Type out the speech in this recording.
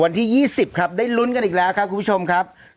วันที่๒๐ครับได้ลุ้นกันอีกแล้วครับคุณผู้ชมครับ